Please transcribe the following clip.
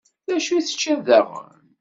D acu teččiḍ daɣen?